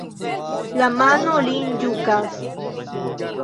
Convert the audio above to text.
La mano lin jukas.